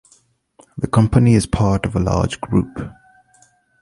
The company is part of a large group.